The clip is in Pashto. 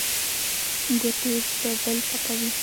ګوتې په بل پاکوي.